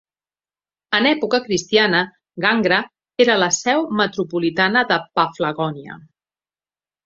En època cristiana, Gangra era la seu metropolitana de Paflagònia.